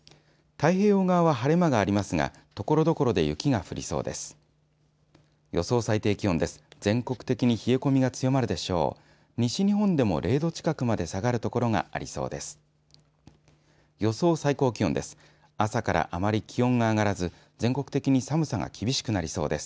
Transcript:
太平洋側は晴れ間がありますがところどころで雪が降りそうです。